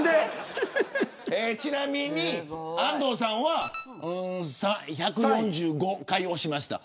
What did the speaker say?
ちなみに安藤さんは１４５回押しました。